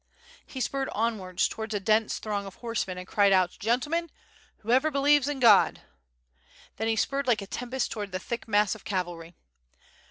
He spurred onwards towards a dense throng of horsemen and cried out "Gentle men, whoever believes in God!" ... Then he spurred like a tempest towards the thick mass of cavalry.